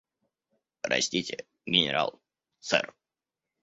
Простите, генерал, сэр.